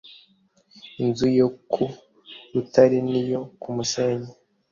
inzu yo ku rutare n iyo ku musenyi